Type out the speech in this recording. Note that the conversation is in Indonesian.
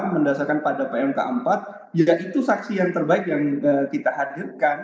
mendasarkan pada pmk empat yaitu saksi yang terbaik yang kita hadirkan